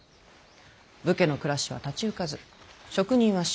武家の暮らしは立ち行かず職人は仕事にあぶれ。